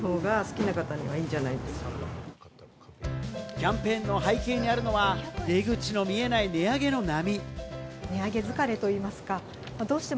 キャンペーンの背景にあるのは出口の見えない値上げの波。